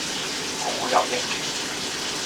好有益